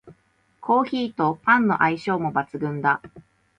コーヒーとパンの相性も抜群だ